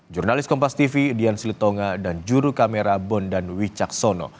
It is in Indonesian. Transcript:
jurnalis kompas tv dian silitonga dan juru kamera bondan wicaksono